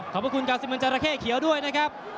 ขอบพระคุณกาสิมินเจอราเคเกี่ยวด้วยนะครับ